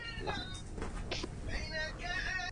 yanayohusiana na matibabu ya wagonjwa wa